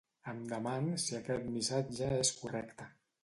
Em deman si aquest missatge és correcte.